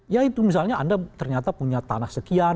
ya itu misalnya anda ternyata punya tanah sekian